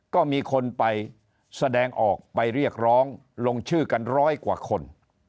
ก็มีคนไปแสดงออกไปเรียกร้องลงชื่อกันร้อยกว่าคน